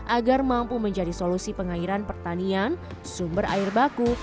agar mampu menjadi solusi pengairan pertanian sumber air baku